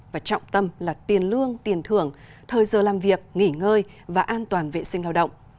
và trọng tâm là tiền lương tiền thưởng thời giờ làm việc nghỉ ngơi và an toàn vệ sinh lao động